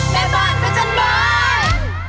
แม่บ้านพัฒนบ้าน